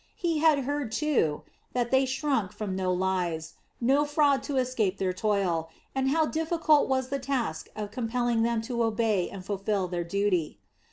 He had heard, too, that they shrunk from no lies, no fraud to escape their toil, and how difficult was the task of compelling them to obey and fulfil their duty.